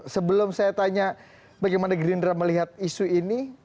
sebelum saya tanya bagaimana gerindra melihat isu ini